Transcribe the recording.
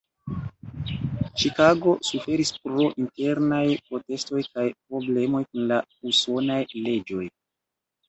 Ĉikago suferis pro internaj protestoj kaj problemoj kun la usonaj leĝoj.